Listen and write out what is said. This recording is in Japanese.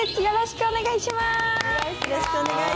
よろしくお願いします。